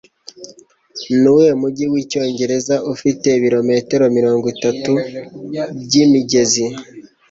Nuwuhe mujyi wicyongereza ufite ibirometero mirongo itatu byimigezi?